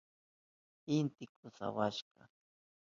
Inti kusawashka.